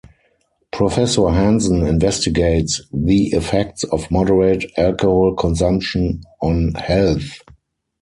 Professor Hanson investigates the effects of moderate alcohol consumption on health.